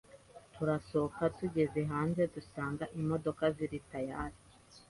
turasohoka tugeze hanze dusanga imodoka ziri tayali